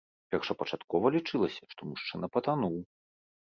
Першапачаткова лічылася, што мужчына патануў.